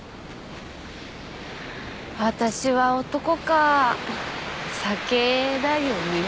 私は男か酒だよね。